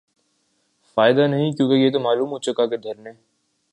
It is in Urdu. فائدہ نہیں کیونکہ یہ تو معلوم ہوچکا کہ دھرنے